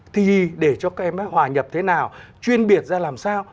thì để cho các em hòa nhập thế nào chuyên biệt ra làm sao